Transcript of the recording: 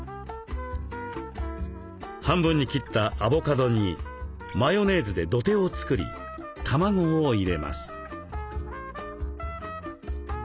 半分に切ったアボカドにマヨネーズで土手を作り卵を入れます。